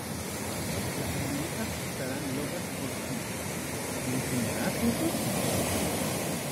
Las muñecas estarán locas por ti. ¿ Me enseñarás eso?